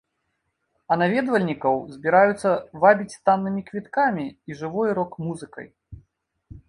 А наведвальнікаў збіраюцца вабіць таннымі квіткамі і жывой рок-музыкай.